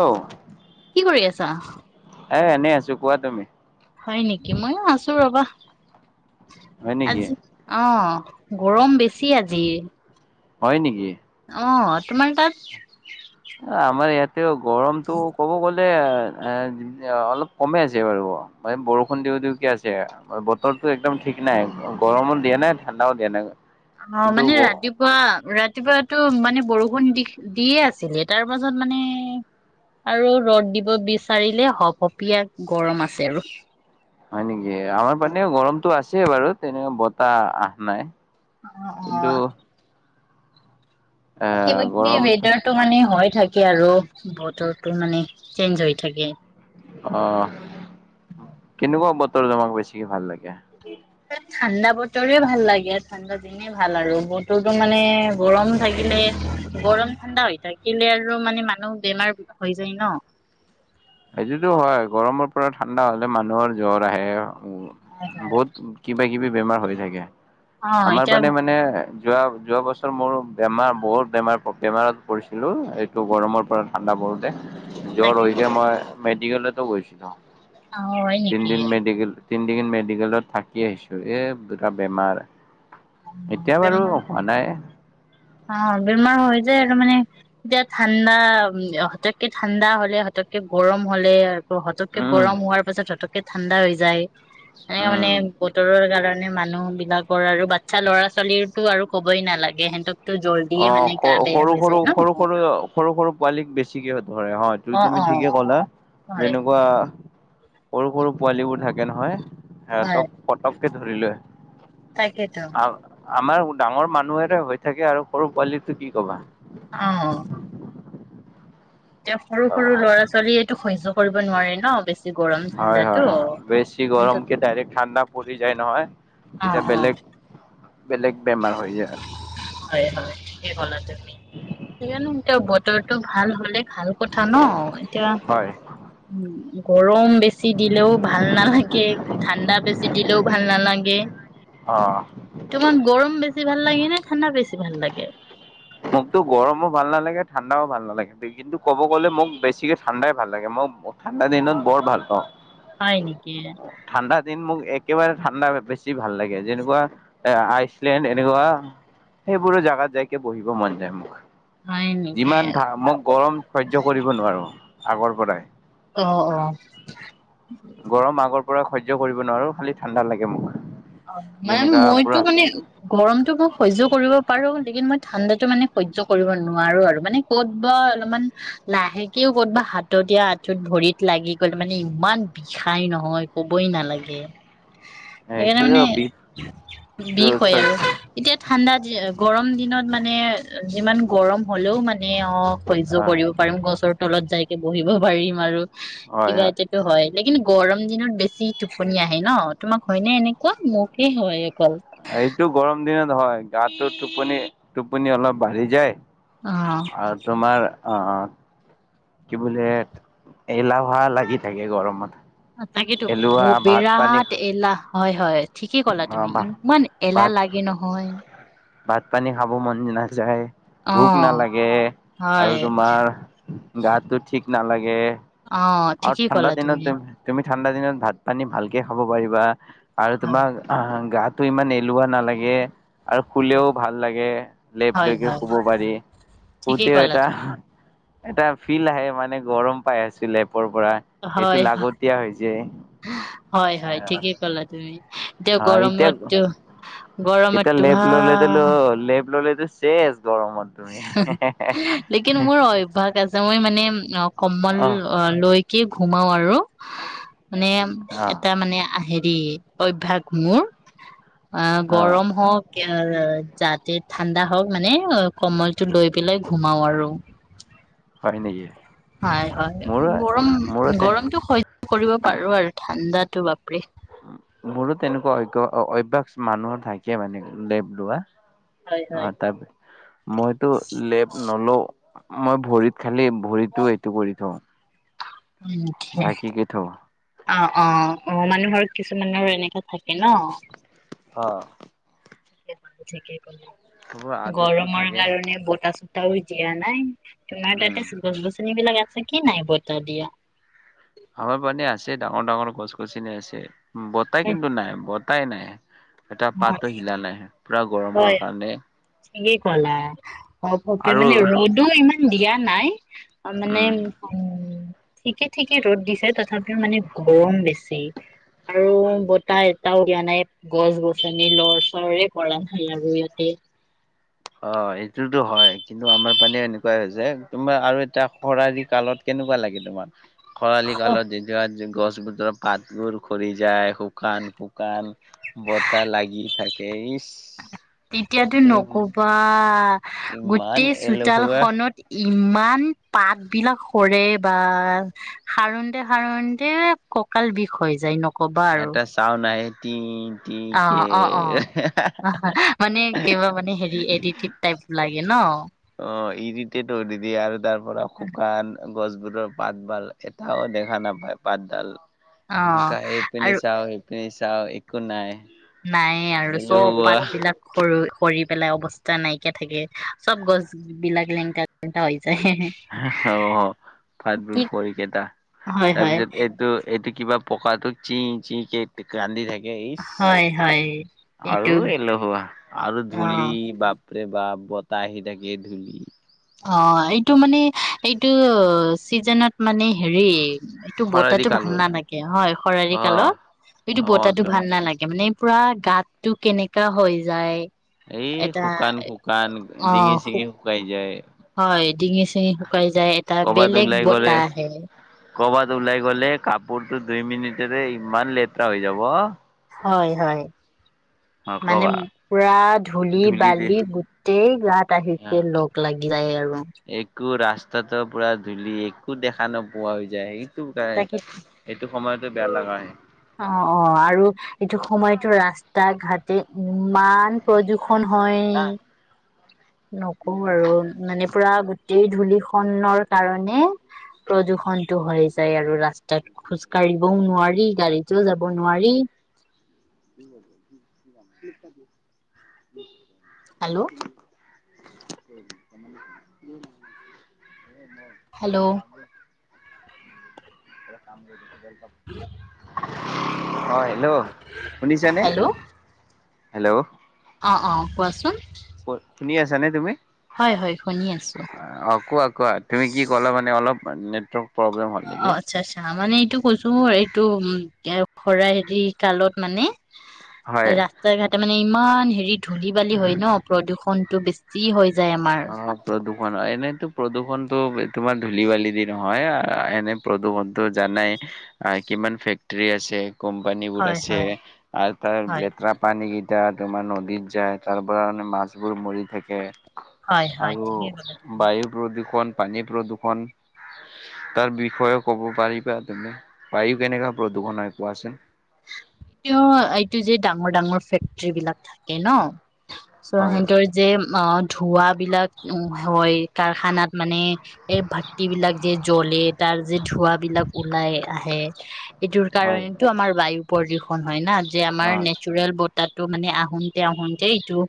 অ' কি কৰি আছা? এ এনেই আছো কোৱা তুমি? হয় নেকি মইয়ো আছো ৰবা। হয় নেকি আজি অ গৰম বেছি আজি। হয় নেকি অ তোমাৰ তাত য়া গৰমটো ক'ব গ'লে ব এ এ অলপ কমে আছে বাৰু বৰষুণ দিওঁ দিওঁ কে আছে বতৰটো একদম ঠিক নাই গৰমো দিয়া নাই ঠাণ্ডাও দিয়া নাই অ কিন্তু মানে ৰাতিপুৱা ৰাতি ৰাতিপুৱাটো মানে বৰষুণ দি দিয়ে আছিলে তাৰ পাছত মানে আৰু ৰ'দ দিব বিচাৰিলে সপ সপীয়া গৰম আছে আৰু হয় নেকি এ আমাৰ পিনেও গৰমটো আছে ছে বাৰু তেনেকুৱা বতাহ আহা নাই আহ কিন্তু অ এ কিবা কিবি গৰম ৱেডাৰ টো মানে হয় থাকে আৰু বতৰটো মানে চেঞ্জ হৈ থাকে অ কেনেকুৱা বতৰ তোমাক বেছিকে ভাল লাগে ঠাণ্ডা বতৰে ভাল লাগে ঠাণ্ডা দিনেই ভাল আৰু বতৰটো মানে গৰম থাকিলে গৰম ঠাণ্ডা হৈ থাকিলে আৰু মানে মানুহ বেমাৰ হৈ যায় ন সেইটোতো হয় গৰমৰ পৰা ঠাণ্ডা হ'লে মানুহৰ জ্বৰ আহে অ বহুত কিবা কিবি বেমাৰ হৈ থাকে অ আমাৰ এতিয়া পিনে মানে যোৱা যোৱা বছৰ মোৰ বেমাৰ বহুত বেমাৰ বেমাৰত পৰিছিলোঁ এইটো গৰমৰ পৰা ঠাণ্ডা পৰোতে জ্বৰ হৈ তাকেতো যে মই মেডিকেলটো গৈছিলোঁ অ হয় নেকি তিনিদিন মেডিকেলত থাকি আহিছোঁ এ এটা বেমাৰ এতিয়া বাৰু বেমাৰ হোৱা নাই অ বেমাৰ হৈ যায় আৰু মানে এতিয়া ঠাণ্ডা হতকে ঠাণ্ডা হ'লে হতকে গৰম হ'লে ত হতকে উম গৰম হোৱাৰ পাছত হতকে কে ঠাণ্ডা হৈ যায় এনেকে মানে উম বতৰৰ কাৰণে মানুহ বিলাক কৰ আৰু বাচ্ছা ল'ৰা ছোৱালীৰটো আৰু ক'বই নালাগে সেনট অ সৰু সৰু সৰু সৰু অ সৰু সৰু পোৱালিক বেছিকে ধৰে হয় অ', তুমি অ', ঠিকে ক'লা হয়, যেনেকুৱা সৰু সৰু পোৱালিবোৰ থাকে নহয় হয়, সিহঁতক পটককে ধৰি লয় তাকেতো আ আমাৰ ডাঙৰ মানুহৰে হৈ থাকে আৰু সৰু পোৱালিটো কি কবা অ এতিয়া সৰু সৰু ল'ৰা ছোৱালীয়েটো সহ্য। কৰিব নোৱাৰে ন বেছি। গৰম হয় হয় ঠাণ্ডাটো হয় বেছি গৰম কিন্তু কে ডাইৰেক্ট ঠাণ্ডা পৰি যায় নহয়। অ', এতিয়া অ', বেলেগ। বেলেগ বেমাৰ হৈ যায় হয় হয়ে ঠিকেই কলা তুমি সেইকাৰণে এতিয়া বতৰটো ভাল হলে ভাল কথা ন এতিয়া হয় উ গৰম বেছি দিলেও ভাল নালাগে ঠাণ্ডা বেছি দিলেও ভাল নালাগে। অ। তোমাক গৰম বেছি ভাল লাগে নে ঠাণ্ডা বেছি ভাল লাগে? মোকতো গৰমো ভাল নালাগে ঠাণ্ডাও ভাল নালাগে কিন্তু ক'ব গ'লে মোক বেছিকে ঠাণ্ডাই ভাল লাগে মই ঠাণ্ডা দিনত বৰ ভাল পাওঁ। হয় নেকি? ঠাণ্ডা দিন মোক একেবাৰে ঠাণ্ডা বেছি ভাল লাগে যেনেকুৱা এ আইচলেণ্ড এনেকুৱা সেইবোৰো জেগাত [unintelligible] বহিব মন যায় মোক হয় নেকি যিমান ধা মই গৰম সহ্য কৰিব নোৱাৰো। আগৰ পৰাই আহ অ। পুৰা সহ্য কৰিব নোৱাৰো খালি ঠাণ্ডা লাগে মোক। অ ম যেনেকা মইতো পুৰা মানে গৰমতটো ম সহ্য কৰিব পাৰো। কিন্তু মই ঠাণ্ডাতটো মানে সহ্য কৰিব নোৱাৰো। আৰু মানে ক'তবা অলপমান লাহেকেও ক'তবা হাতত আঁঠুত ভৰিত লাগি গ'ল মানে ইমান বিষাই নহয় কবই নালাগে। সেইকাৰণে এইটো মানে বি বিষ হয় আৰু এতিয়া ঠাণ্ডা। গৰম দিনত মানে যিমান গৰম হ'লেও মানে ম অ সহ্য কৰিব পাৰিম গছৰ তলত। যাইকে বহিব পাৰিম আৰু কিবা এটাটো হয়। কিন্তু গৰম দিনত বেছি টোপনি আহে ন। তোমাক হয়নে এনে? ক মোকেই হয়। অকল এইটো গৰম দিনত। নহয় গাটো টোপনি টোপনি অলপ বাঢ়ি যায়। অ আৰু তোমাৰ অঁ অঁ। কি বোলে এলাহা লাগি থাকে গৰমত। এলোৱা তাকেইেতো ভাত পানী বিৰাট এলাহ হয় হয়। ঠিকে অ ক'লা তুমি ভাত ইমান এলাহ ভাত লাগে নহয়। ভাত পানী খাব মন নাযায় অ ভোক নালাগে আৰু হয় তোমাৰ গাতো ঠিক নালাগে অ আৰু ঠিকেই ঠাণ্ডা কলা দিনত তুমি তুমি ঠাণ্ডা দিনত ভাত পানী ভালকে খাব পাৰিবা আৰু হয় তোমাক গা তটো ইমান এলোৱা নালাগে আৰু শুলেও ভাল লাগে লেপ হয় লকে হয় শুব পাৰি ঠিকেই শুতেও ক'লা এটা তুমি এটা ফিল আহে মানে গৰম পাই আছিলে হয় হয় এ হয় হয় ঠিকেই কলা তুমি এতিয়া এতিয়া গৰমতটো গৰমত তটো ভাল চেষ লেকিন মোৰ অভ্যয়াস আছে মই মানে অ কম্বল অহ লৈকে সোমাও আৰু। মানে, অহ এটা মানে আহে ই, অভ্যাস মোৰ। অ', অহ গৰম হওক অ, যাতে ঠাণ্ডা হওক মানে, অ কমলটো লৈ পেলাই ঘুমাও আৰু। হয় নেকি হয়, হয়। মোৰো মোৰো তে গৰম-গৰমতটো সহ্য কৰিব পাৰো আৰু, ঠাণ্ডাত টো বাপৰে মোৰো তেনেকুৱা অগ-অভ্য়াস মানুহৰ থাকে মানে, লেপ লোৱা। হয় হয় অ', তাৰপি মইতো লেপ নলও। মই ভৰিত খালি, ভৰিতো এইটো কৰি থওঁ মুটে ঢাকিকে থওঁ। অ', অ', অ মানুহৰ কিছুমানৰ এনেকা থাকে ন। অ। ঠিকেই বাৰু ঠিকেই মোৰ ক'লি আদতটো গৰমৰ থাকে কাৰণে বতা-চতা [unintelligible] তোমাৰ উম তাতে গছ-গছনি বিলাক আছে ঠিকে নাই বতাহ দিয়। হয় মানে আছে, ডাঙৰ-ডাঙৰ গছ গছনি আছে। বতাহ হয় কিন্তু নাই বত উপাই নাই। এটা পাতো হিলা নাই পুৰা গৰমৰ কাৰণে সে গলা, ঘপককে আৰু মানে ৰ'দো ইমান ইমান দিয়া নাই অ', মানে উম উম ঠিকে-ঠিকে ৰ'দ দিছে তথাপিও মানে গৰম বেছি। আৰু বতাহ এটাও দিয়া নাই, গছ গছনি লৰ চৰে কৰা নাই আৰু ইয়াতে। অ', এইটোতো হয়, কিন্তু আমাৰ পিনে এনেকোৱাই হৈছে তোমাৰ আৰু এটা খৰালি কালত কেনেকোৱা লাগে তোমাৰ। খৰালি কালত দি যোৱা যোন গছ বতৰ পাতবোৰ খৰি যায়, শুকান-শুকান বতাহ লাগি থাকে, ইছ তেতিয়াতো নকবা আ ইমান গোটেই চোতাল এলেহুৱা খনত, ই ইমান পাত বিলাক সৰে বা সাৰোনতে সাৰোনতে কঁকাল বিষ হৈ যায় ন এটা চাউন আহে তি অ অ অ হাহাই মানে কিবা মানে হেৰি এদিতিক টাইপ লাগে। গে ন অ' ইৰিটেট কৰি দিয়ে আৰু তাৰ। পৰা শুকান গছবোৰৰ পাতবাল এটাও দেখা নাপায় পাতডাল অ এনেকা এই পিনে আৰু চাও, সেইপিনে চা চাও একো নাই। নাই আৰু চব এলেহুৱা পাত বিলাক সৰি সৰি পেলাই অৱস্থা নাইকিয়া থাকে চব গছ বিলাক লেংটা পেংটা হৈ যায় হা হা অ' কি হাতবোৰ ভৰিকেইটা হয় হয় তাৰপিছত এইটো এইটো কিবা পকাটো চি চি কে কান্ধি থাকে ইচ হয় হয় এইটো আৰু এলেহুৱা আৰু অ ধূলি বাপ ৰে বাপ বতাহ আহি থাকে, ধূলি। অ' এইটো মানে এইটো চিজনত মানে হেৰি এইটো খৰালি বতাহটো ভাল কালবোৰ নালাগে হয় খৰালি অ কালত এইটো অ বতাহটো তো ভাল নালাগে মানে। পুৰা গাত টো কেনেকা হৈ যায়। এই এটা শুকান শুকান, ডিঙি অ চিঙি শুকাই যায়। হয়। ডিঙি চিঙি শুকাই যায়। এটা কৰ'বাত বেলেগ ওলাই গ'লে বতাহ আহে। ক'ৰবাত ওলাই গ'লে, কাপোৰটো দুই মিনিটতে ইমান লেতেৰা হৈ যাব। হয় হয়। মানে, নকবা পোৰা ধূলি ধূলিতে। বালি গোটেই গাত আহি অ লগ লাগি যায় আৰু তাতোঢ় পোৰা ধূলি, একো দেখা নোপোৱা হৈ যায়। [unintelligible] গাই তাকে এইটো সময়তে বেয়া লগা আহে। অ', অ' আৰু এইটো সময়তো ৰাস্তা ৈঘাট [unintelligible] ইমান প্ৰদূষণ হয়। নকওঁ আৰু মানে পোৰা গোটেই ধূলি খনৰ কাৰণে, প্ৰদূষণ টো হৈ যায় আৰু ৰাস্তাত খোজ কাঢ়িবও নোৱাৰি গাড়ীত [unintelligible] যাব নোৱাৰি। [unintelligible] হেল্ল'? [unintelligible] হেল্ল' [unintelligible] [unintelligible] [unintelligible] হয়। হেল্ল'? শুনিছানে? হেল্ল'! হেল্ল'! অ' অ' কোৱাচোন? শুনি আছানে তুমি? হয় হয় শুনি আছো অ' কোৱা কোৱা তুমি কি ক'লে মানে অলপ মানে নেটৱৰ্ক প্ৰব্লেম হ'ল নেকি? অ' আচ্ছা আচ্ছা। মানে, এইটো কৈছো এইটো এই ফুৰাই দি গালত মানে হয় ৰাস্তা ঘাট মানে এ' ইমান হেৰি ধূলি বালি হয় ন' প্ৰদূষণতটো বেছি হয়। অ' প্ৰদূষণ, এনেইতো প্ৰদূষণতটো তোমাৰ ধূলি বালি নহয়। এনে প্ৰদূষণটো জানাই কিমান ফেক্টৰী আছে। কোম্পানী বোৰ হয় আছে হয় আৰু তাৰ হয় লেতেৰা পানী এতিয়া তোমাৰ নদীত যায় তাৰ পৰা মে মাছবোৰ মৰি থাকে। হয় হয় আৰু ঠিকেই ক'লা তুমি। বায়ু প্ৰদূষণ। পানী প্ৰদূৰ্ষণ তাৰ বিষয়েও ক'ব পাৰিবা তুমি পানী কেনেকুৱা প্ৰদূৰণ হয় কোৱাচোন? এইটো এইটো যে ডাঙৰ ডাঙৰ ফেক্টৰী বিলাক থাকে ন। চ' হয় সিহতৰ যে অ। ধোৱাবিলাক হয় কাৰখানাত মানে এই ভাটি বিলাক যে জ্বলে তাৰ যে ধোৱা বিলাক ওলাই আহে, এইটোৰ হয় কাৰণেতটো আমাৰ বায়ু পৰি হয় না। যে আমাৰ অ নেচৰেল ব তাতো মানে আহোতে আহোতে ইটো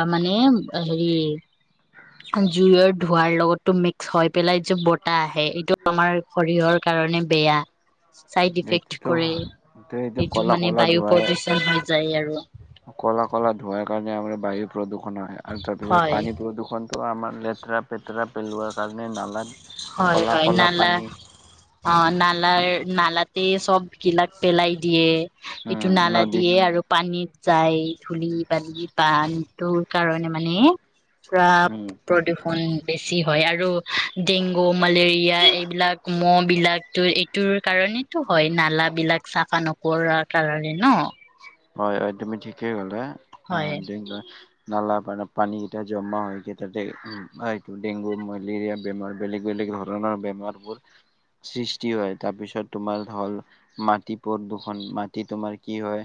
অ মানে হেৰি জুইৰ ধোঁৱাৰ লগতো মিক্স হৈ পেলাই এই যে বতাহ আহে এইটো আমাৰ শৰীৰৰ কাৰণে বেয়া। চাইড ইফেক্ট সেইটোতো কৰে হয় এইটো কলা মানে কলা বায়ু ধোৱাই প্ৰদূষন হৈ যায় আৰু। কলা কলা ধুৱাৰ কাৰণে আমাৰ বায়ু প্ৰদূষণ হয়। আৰু তাৰপিছত হয় পানী প্ৰদূষণটো আমাৰ লেতেৰা পেতেৰা পেলোৱাৰ কাৰণে নালা হয় হয় নালা অ নালা নাল এ চব গিলাক পেলাই দিয়ে। এইটো উম নালা নদী দিয়ে আৰু পানীত যাই ধূলি বালি পানটোৰ কাৰণে মানে উম প্ৰদূষণ বেছি। বেছি হয় আৰু ডেংগু মেলেৰিয়া এইবিলাক ম বিলাকো এইটোৰ কাৰণেতো হয় নালা বিলাক চাফা নকৰাৰ কাৰণে ন? হয় তুমি ঠিকেই ভাবা। অ হয় ডেং নালা পান পানীকেইটা জমা হয়কেই তাতে হয়টো ডেংগু মেলেৰিয়া বেমাৰ বেলেগ বেলেগ ধৰণৰ বেমাৰবোৰ সৃষ্টি হয় তাৰ পিছত তোমাৰ হল মাটি প্ৰদূষণ মাটি তোমাৰ কি হয়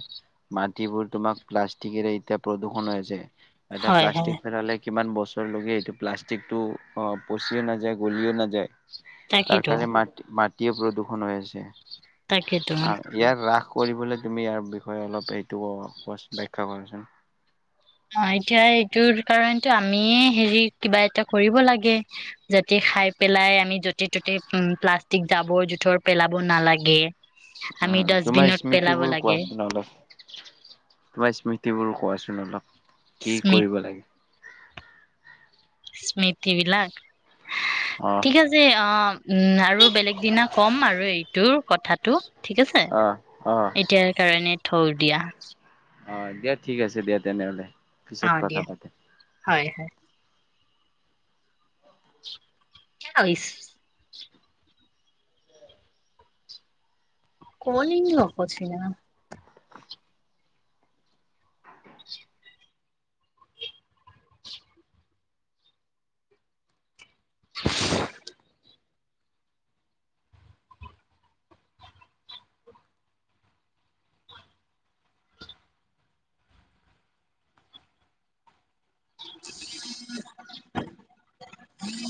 মাটিবোৰ তোমাক প্লাষ্টিকেৰে এতিয়া প্ৰদূষণ হৈছে। এটা হয় হয় প্লাষ্টিক পেলালে কিমান বছৰলৈকে এইটো প্লাষ্টিকটো অ পচিও নাযায় গলিও নাযায়। তাৰ তাকেতো কাৰণে মাট মাট তিও প্ৰদূষণ হৈ আছে। তাকেতো অ ইয়াৰ ৰাখো কৰিবলৈ তুমি ইয়াৰ বিষয়ে অলপ এইটো বখ্যা কৰাচোন। অ এতিয়া এইটোৰ কাৰণটো আমিয়ে হেৰি কিবা এটা কৰিব লাগে যাতে খাই পেলাই আমি য'তে ত'তে প্লাষ্টিক জাবৰ জোথৰ পেলাব নালাগে। আমি উ তোমাৰ ডাষ্টবিনত স্মৃতি পেলাব বোৰ লাগে কোৱাচোন অলপ তোমাৰ স্মৃতি বোৰ কোৱাচোন। অলপ কি স্মৃ কৰিব লাগে? স্মৃতি বিলাক অ ঠিক আছে অ উম আৰু বেলেগ দিনা কম আৰু এইটো কথাটো ঠিক আছে অ অ। এতিয়াৰ কাৰণে থউ দিয়া। অ দিয়া ঠিক আছে দিয়া তেনেহলে। অ পিছত কথা দিয়া পাতিম। হয় হয়। [inaudible] [unintelligible] কলং লকচন [unintelligible] [unintelligible] [unintelligible] [unintelligible]